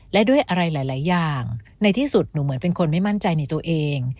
และด้วยอะไรหลายอย่างในที่สุดหนูเหมือนเป็นคนไม่มั่นใจในตัวเอง